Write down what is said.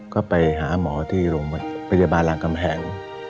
ก็ไปหาหมอที่บริษัทหลังกำแผน